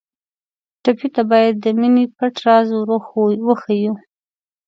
ټپي ته باید د مینې پټ راز ور وښیو.